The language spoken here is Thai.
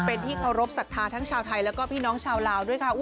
เป็นที่เคารพสัทธาทั้งชาวไทยแล้วก็พี่น้องชาวลาวด้วยค่ะ